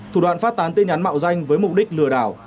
thủ đoạn phát tán tin nhắn mạo danh với mục đích lừa đảo